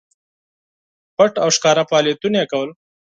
پټ او ښکاره فعالیتونه کول.